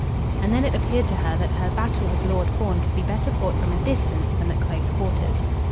And then it appeared to her that her battle with Lord Fawn could be better fought from a distance than at close quarters.